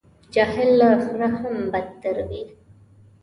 جاهل له خره هم بدتر وي.